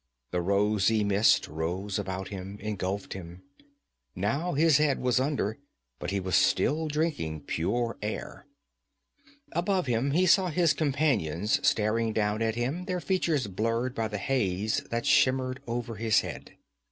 The rosy mist rose about him, engulfed him. Now his head was under, but he was still drinking pure air. Above him he saw his companions staring down at him, their features blurred by the haze that shimmered over his head.